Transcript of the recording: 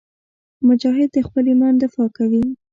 مجاهد د خپل ایمان دفاع کوي.